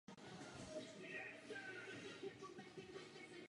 Na epištolní straně je boční oltář zasvěcen Panně Marii.